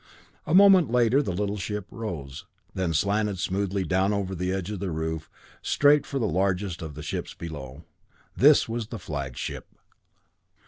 A moment later the little ship rose, and then slanted smoothly down over the edge of the roof, straight for the largest of the ships below. This was the flagship.